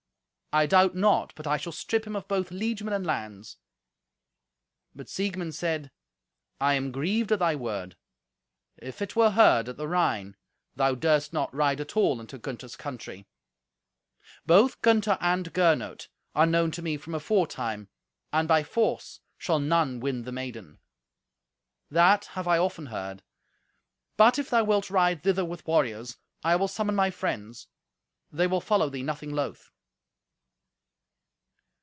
I doubt not but I shall strip him of both liegemen and lands." But Siegmund said, "I am grieved at thy word. If it were heard at the Rhine, thou durst not ride at all into Gunther's country. Both Gunther and Gernot are known to me from aforetime, and by force shall none win the maiden. That have I often heard. But if thou wilt ride thither with warriors, I will summon my friends. They will follow thee nothing loth."